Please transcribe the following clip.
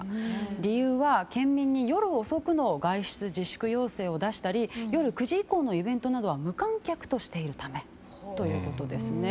理由は、県民に夜遅くの外出自粛要請を出したり夜９時以降のイベントは無観客としているためということです。